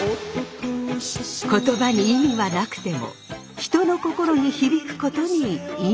言葉に意味はなくても人の心に響くことに意味がある。